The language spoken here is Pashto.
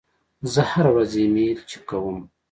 زه هره ورځ ایمیل چک کوم.